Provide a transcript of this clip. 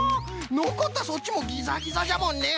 のこったそっちもギザギザじゃもんね。